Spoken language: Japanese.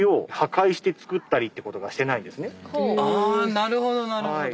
なるほどなるほど。